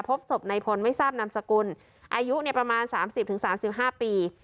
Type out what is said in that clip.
พบศพในพลไม่ทราบนามสกุลอายุเนี่ยประมาณสามสิบถึงสามสิบห้าปี